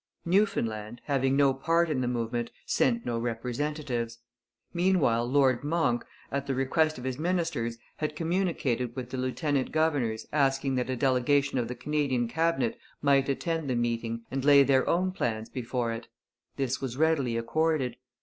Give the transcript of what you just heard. Newfoundland, having no part in the movement, sent no representatives. Meanwhile Lord Monck, at the request of his ministers, had communicated with the lieutenant governors asking that a delegation of the Canadian Cabinet might attend the meeting and lay their own plans before it. This was readily accorded.